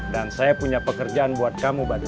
dan saya punya pekerjaan buat kamu badro